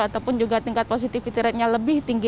ataupun juga tingkat positivity rate nya lebih tinggi